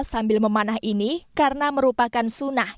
sambil memanah ini karena merupakan sunnah